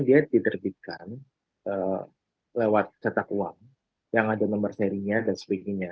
dia diterbitkan lewat cetak uang yang ada nomor serinya dan sebagainya